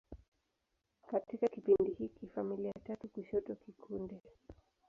Katika kipindi hiki, familia tatu kushoto kikundi.